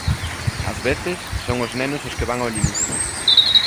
Ás veces son os nenos os que van ao límite.